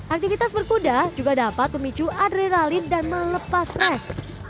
aktivitas berkuda juga dapat memicu adrenalin dan melepas air